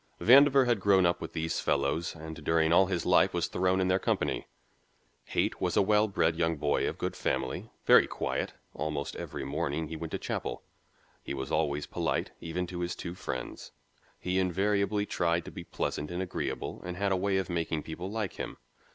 Vandover had grown up with these fellows and during all his life was thrown in their company. Haight was a well bred young boy of good family, very quiet; almost every morning he went to Chapel. He was always polite, even to his two friends. He invariably tried to be pleasant and agreeable and had a way of making people like him.